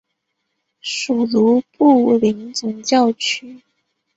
属卢布林总教区。